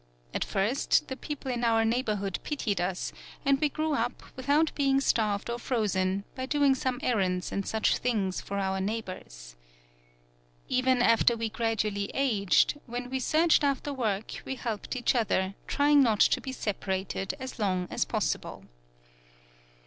At first the people in our neighborhood pitied us and we grew 22 TAKASE BUNE up, without being starved or frozen, by doing some errands and such things for our neighbors. Even after we grad ually aged, when we searched after work, we helped each other, trying not to be separated as long as possible.